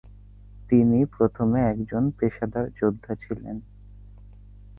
তিনি প্রথমে একজন পেশাদার যোদ্ধা ছিলেন।